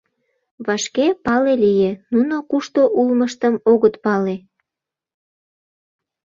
Вашке пале лие: нуно кушто улмыштым огыт пале.